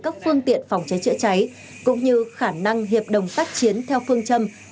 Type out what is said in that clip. các phương tiện phòng cháy chữa cháy cũng như khả năng hiệp đồng tác chiến theo phương châm